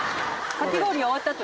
かき氷終わった後。